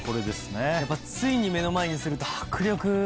やっぱついに目の前にすると。